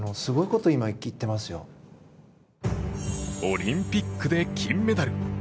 オリンピックで金メダル。